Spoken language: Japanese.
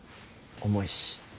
重いし。